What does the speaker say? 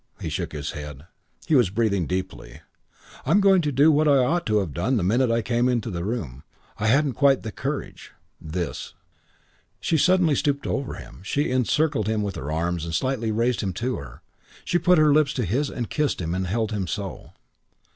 He shook his head. He was breathing deeply. "I'm going to do what I ought to have done the minute I came into the room. I hadn't quite the courage. This." She suddenly stooped over him. She encircled him with her arms and slightly raised him to her. She put her lips to his and kissed him and held him so.